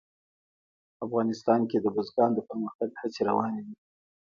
افغانستان کې د بزګان د پرمختګ هڅې روانې دي.